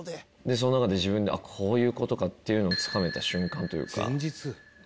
その中で自分でこういう事かっていうのをつかめた瞬間というか。と思いますね。